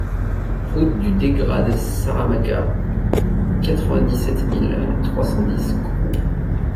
Route du Dégrad Saramaca, quatre-vingt-dix-sept mille trois cent dix Kourou